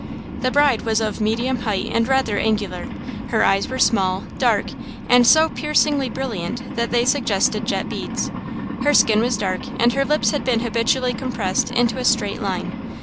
The bride was of medium height and rather angular. Her eyes were small, dark, and so piercingly brilliant that they suggested jet beads. Her skin was dark and her lips had been habitually compressed into a straight line.